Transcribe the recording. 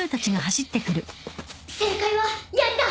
正解はやりだ。